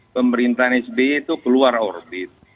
pemerintahan sby itu keluar orbit